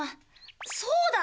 そうだ！